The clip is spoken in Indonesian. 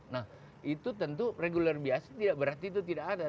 nah itu tentu regular biasa tidak berarti itu tidak ada